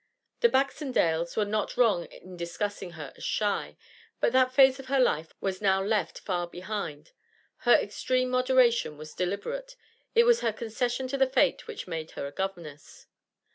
The Baxendales were not wrong in discussing her as shy. But that phase of her life was now left far behind. Her extreme moderation was deliberate; it was her concession to the fate which made her a governess.